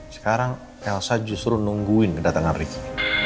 sekarang elsa justru nungguin kedatangan ricky